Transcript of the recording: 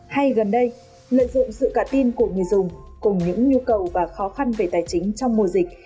hay gần đây lợi dụng sự cả tin của người dùng cùng những nhu cầu và khó khăn về tài chính trong mùa dịch